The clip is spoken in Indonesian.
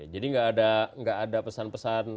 jadi tidak ada pesan pesan